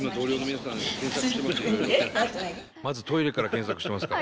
まずトイレから検索してますから。